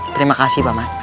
terima kasih paman